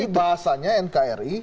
iya tapi bahasanya nkri